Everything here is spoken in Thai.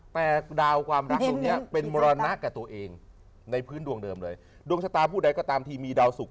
แต่ดาวกวามรักตัวมันเป็นบัวยนักกับตัวเองในพื้นดวงเริ่มเลยดูชามชาพูดแต่ก็ตามที่มีดาวสุข